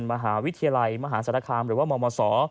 มหาวิทยาลัยมหาศาลคามหรือว่ามมศ